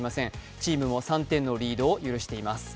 チームも３点のリードを許しています。